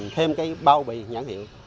thêm cái bao bì nhãn hiệu